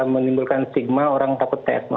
menimbulkan stigma orang takut tes